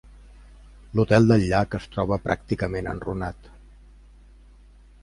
L'hotel del Llac es troba pràcticament enrunat.